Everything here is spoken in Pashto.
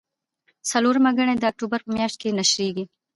څلورمه ګڼه یې د اکتوبر په میاشت کې نشریږي.